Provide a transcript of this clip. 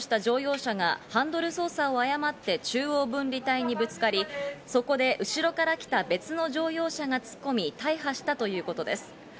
車線変更しようとした乗用車がハンドル操作を誤って中央分離帯にぶつかり、そこで後ろから来た別の乗用車が突っ込み、大破したということです。